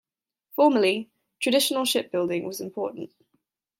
Formerly, traditional ship building was important.